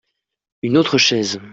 Une autre chaise.